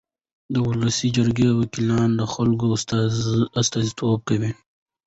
د ولسي جرګې وکیلان د خلکو استازیتوب کوي.